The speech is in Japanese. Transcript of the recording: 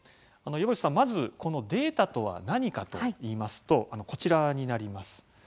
岩渕さん、まずこのデータとは何かといいますとこちらになります。